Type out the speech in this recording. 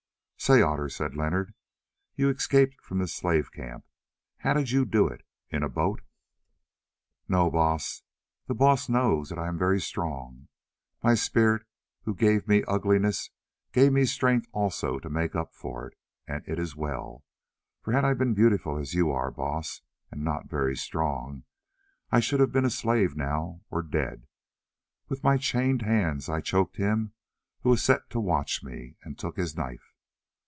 "Say, Otter," said Leonard, "you escaped from this slave camp. How did you do it—in a boat?" "No, Baas. The Baas knows that I am strong, my Spirit who gave me ugliness gave me strength also to make up for it, and it is well, for had I been beautiful as you are, Baas, and not very strong, I should have been a slave now, or dead. With my chained hands I choked him who was set to watch me, and took his knife.